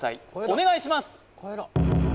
お願いします